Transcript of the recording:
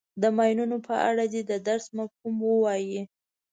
د ماینونو په اړه دې د درس مفهوم ووایي.